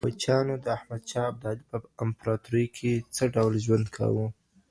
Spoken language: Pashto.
کوچیانو د احمد شاه ابدالي په امپراتورۍ کي څه ډول ژوند کاوه؟